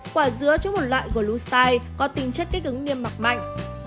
quả dứa chứa một loại glucite có tính chất kích ứng niêm mặc mạnh